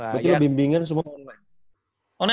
berarti lu bimbingan semua online